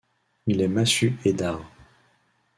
Il est massue et dard.